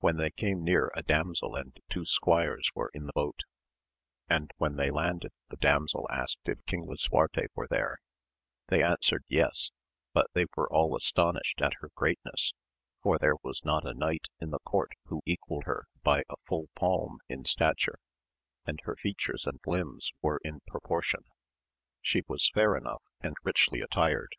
When they came near a damsel and two squires were in the boat, and when they landed the damsel asked if King Lisuarte were there 1 They answered Yes, but they were all astonished at her greatnessj for there was not a knight in the court who equalled her by a full palm in stature, and her features and limbs were in proportion ; she was fair enough, and richly attired.